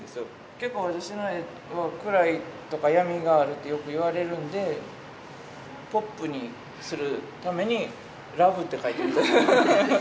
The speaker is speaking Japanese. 結構、私の絵は暗いとか、闇があるってよく言われるんで、ポップにするために、ＬＯＶＥって書いてみた。